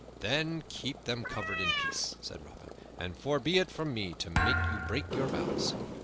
"Then keep them covered in peace," said Robin, "and far be it from me to make you break your vows."